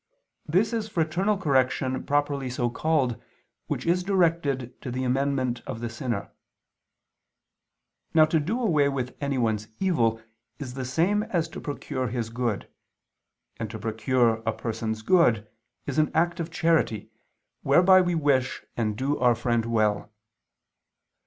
This is fraternal correction properly so called, which is directed to the amendment of the sinner. Now to do away with anyone's evil is the same as to procure his good: and to procure a person's good is an act of charity, whereby we wish and do our friend well.